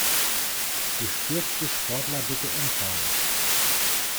Gestürzte Sportler bitte umfahren.